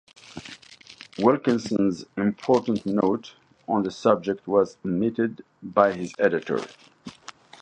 Wilkinson's important note on the subject was omitted by his editor.